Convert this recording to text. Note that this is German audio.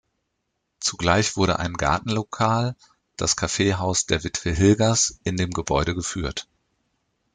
Zugleich wurde ein Gartenlokal, das Kaffeehaus der Witwe Hilgers, in dem Gebäude geführt.